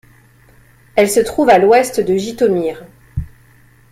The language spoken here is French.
Elle se trouve à à l'ouest de Jytomyr.